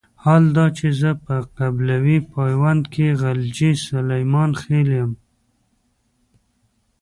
حال دا چې زه په قبيلوي پيوند کې غلجی سليمان خېل يم.